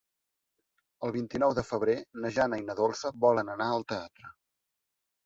El vint-i-nou de febrer na Jana i na Dolça volen anar al teatre.